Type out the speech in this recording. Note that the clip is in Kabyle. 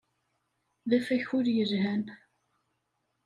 D afakul yelhan.